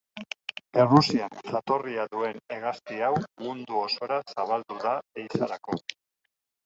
Errusian jatorria duen hegazti hau mundu osora zabaldu da ehizarako.